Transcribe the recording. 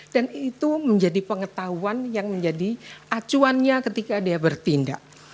dan itu menjadi pengetahuan yang menjadi acuannya ketika dia bertindak